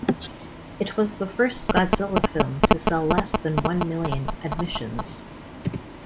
It was the first "Godzilla" film to sell less than one million admissions.